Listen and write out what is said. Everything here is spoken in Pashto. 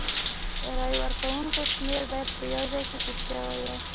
د رای ورکوونکو شمېر باید یو ځای پېښ شوي وای.